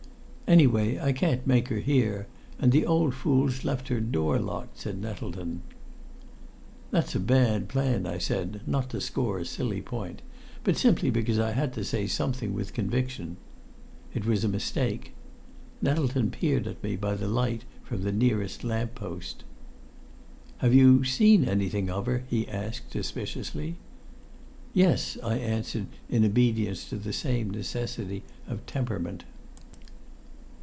"Anyhow I can't make her hear, and the old fool's left her door locked," said Nettleton. "That's a bad plan," said I, not to score a silly point, but simply because I had to say something with conviction. It was a mistake. Nettleton peered at me by the light from the nearest lamp post. "Have you seen anything of her?" he asked suspiciously. "Yes!" I answered, in obedience to the same necessity of temperament.